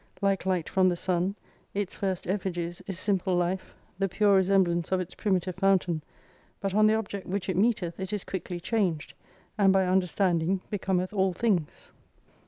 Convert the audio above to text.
Like light from the Sun, its first effigies is simple life, the pure resemblance of its primitive foun tain, but on the object which it meeteth it is quickly changed, and by understanding becometh all Things.